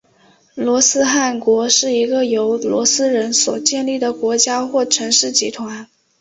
罗斯汗国是一个由罗斯人所建立的国家或城市集团。